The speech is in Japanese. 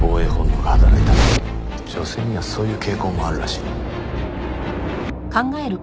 女性にはそういう傾向もあるらしい。